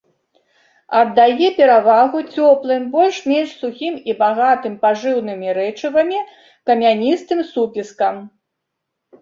Аддае перавагу цёплым, больш-менш сухім і багатым пажыўнымі рэчывамі камяністым супескам.